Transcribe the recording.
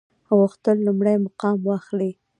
غوښتل لومړی مقام واخلي.